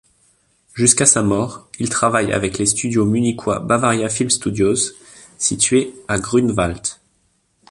Jusqu'à sa mort, il travaille avec les studios munichois Bavaria Filmstudios situés à Grünwald.